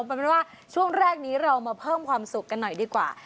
เป็นว่าช่วงแรกนี้เรามาเพิ่มความสุขกันหน่อยดีกว่า